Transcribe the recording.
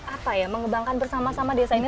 apa ya mengembangkan bersama sama desa ini